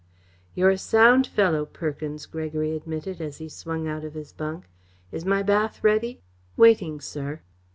"You're a sound fellow, Perkins," Gregory admitted, as he swung out of his bunk. "Is my bath ready?" "Waiting, sir."